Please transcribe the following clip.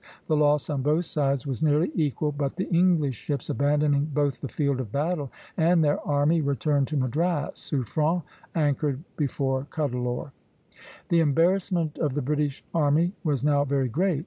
The loss on both sides was nearly equal; but the English ships, abandoning both the field of battle and their army, returned to Madras. Suffren anchored before Cuddalore. The embarrassment of the British army was now very great.